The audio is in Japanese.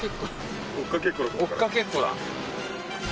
追っかけっこだ今回。